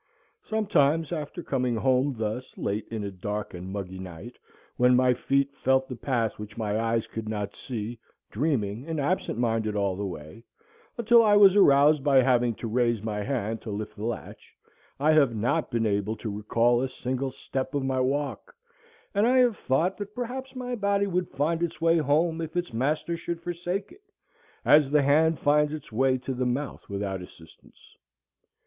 Sometimes, after coming home thus late in a dark and muggy night, when my feet felt the path which my eyes could not see, dreaming and absent minded all the way, until I was aroused by having to raise my hand to lift the latch, I have not been able to recall a single step of my walk, and I have thought that perhaps my body would find its way home if its master should forsake it, as the hand finds its way to the mouth without assistance.